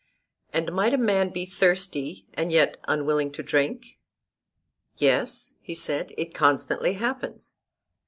And might a man be thirsty, and yet unwilling to drink? Yes, he said, it constantly happens.